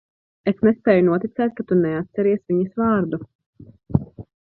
Es nespēju noticēt, ka tu neatceries viņas vārdu.